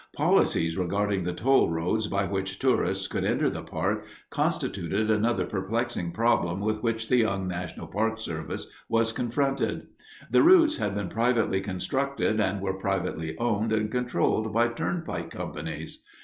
Policies regarding the toll roads by which tourists could enter the park constituted another perplexing problem with which the young National Park Service was confronted. The routes had been privately constructed and were privately owned and controlled by turnpike companies.